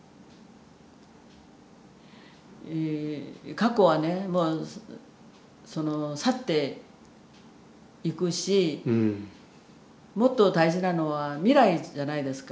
過去はねその去っていくしもっと大事なのは未来じゃないですか。